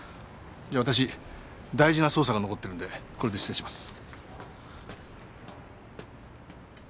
じゃあ私大事な捜査が残ってるんでこれで失礼します。